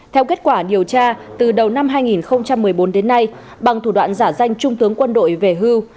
theo kết quả điều tra từ đầu năm hai nghìn một mươi bốn đến nay bằng thủ đoạn giả danh trung tướng quân đội về hưu